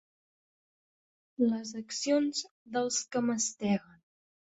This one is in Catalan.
Les accions dels que masteguen.